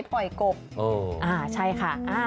อภัยเฉพาะสบายเลย